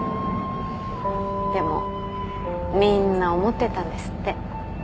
でもみんな思ってたんですって。